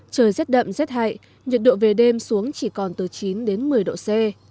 trời rét đậm rét hại nhiệt độ về đêm xuống chỉ còn từ chín đến một mươi độ c